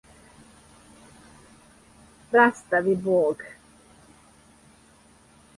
растави Бог